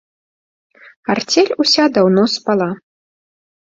Арцель уся даўно спала.